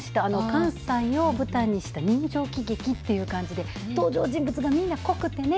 関西を舞台にした人情喜劇で登場人物がみんなこくてね